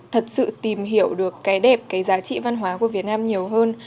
thật sự tìm hiểu được cái đẹp cái giá trị văn hóa của việt nam nhiều hơn